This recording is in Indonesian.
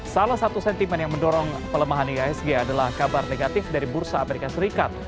salah satu sentimen yang mendorong pelemahan ihsg adalah kabar negatif dari bursa amerika serikat